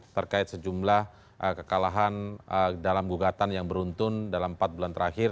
terkait sejumlah kekalahan dalam gugatan yang beruntun dalam empat bulan terakhir